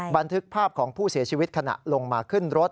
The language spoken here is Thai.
บันทึกภาพของผู้เสียชีวิตขณะลงมาขึ้นรถ